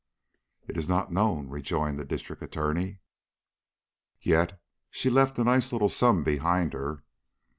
"It is not known," rejoined the District Attorney. "Yet she left a nice little sum behind her?"